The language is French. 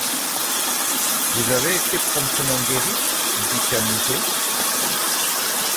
Vous avez été promptement guéri? dit Camusot.